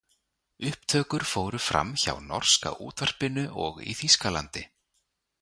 Upptökur fóru fram hjá Norska útvarpinu og í Þýskalandi.